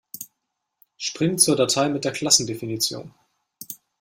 Spring zur Datei mit der Klassendefinition!